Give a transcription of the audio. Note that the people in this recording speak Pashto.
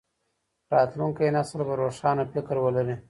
راتلونکی نسل به روښانه فکر ولري.